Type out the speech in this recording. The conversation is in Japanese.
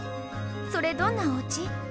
それどんなおうち？